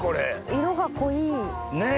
色が濃い。ねぇ！